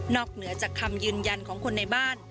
เหนือจากคำยืนยันของคนในบ้าน